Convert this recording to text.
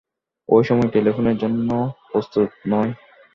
এই সময় টেলিফোনের জন্যে প্রশস্ত নয়।